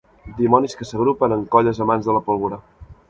Dimonis que s'agrupen en colles amants de la pólvora.